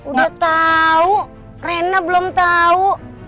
udah tau reina belum tau